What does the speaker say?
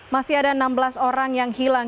masih ada enam belas orang yang hilang